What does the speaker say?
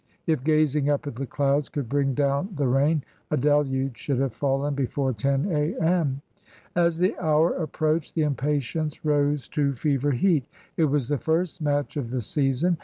If gazing up at the clouds could bring down the rain, a deluge should have fallen before 10 a.m. As the hour approached the impatience rose to fever heat. It was the first match of the season.